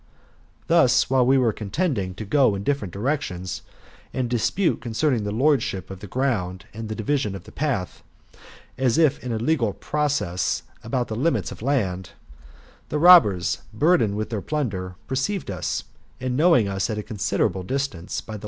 Thus, while we were contending to go in different directions, and dispute concerning the lordship of the ground and the division of the path, as if in a legal process about the limits of land, the robbers, burdened with their plunder, per ceived us, and knowing us at a considerable distance, by the GOLDEN ASS| OF APULBIVS. — BOOK VI.